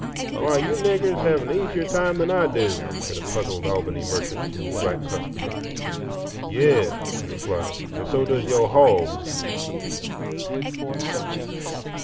"Why, you niggers have an easier time than I do," said a puzzled Albany merchant to his black customer. "Yes," he replied, "and so does yo' hogs."